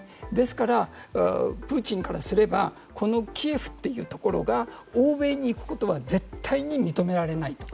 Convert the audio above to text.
ですから、プーチンからすればキエフというところが欧米に行くことは絶対に認められない。